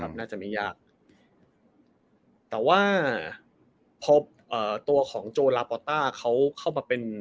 น่าจะไม่ยากแต่ว่าพอเอ่อตัวของโจลาปอต้าเขาเข้ามาเป็น